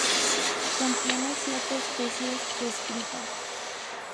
Contiene siete especies descritas.